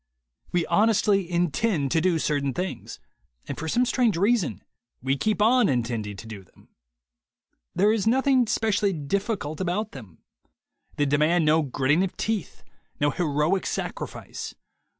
We honestly intend to do certain things, and for some strange reason we keep on intending to do them. There is nothing specially difficult about them. They demand no gritting of teeth, no heroic sacrifice.